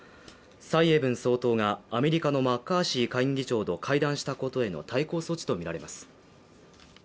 蔡英文総統が、アメリカのマッカーシー下院議長と会談したことへの対抗措置とみられます。